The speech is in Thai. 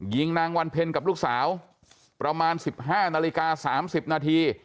ยิงนางวันเพ็ญกับลูกสาวประมาณ๑๕นาฬิกา๓๐นาที